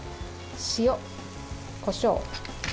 塩、こしょう。